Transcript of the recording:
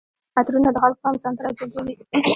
عطرونه د خلکو پام ځان ته راجلبوي.